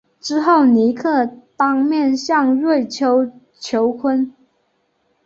之后尼克当面向瑞秋求婚。